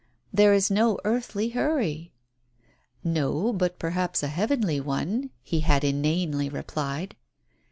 "There is no earthly hurry." "No, but perhaps a heavenly one," he had inanely replied.